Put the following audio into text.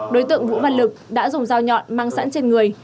đối tượng vũ văn lực đã dùng dao nhọn mang sẵn trên người